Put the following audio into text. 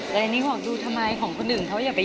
อเรนนี่ว่าพูดข่าวหรือพูดมาอะไร